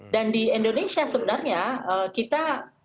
dan di indonesia sebenarnya kita